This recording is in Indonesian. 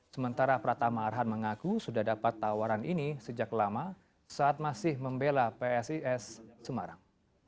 sementara pratama arhan mengaku sudah dapat tawaran ini sejak lama saat masih membela psis semarang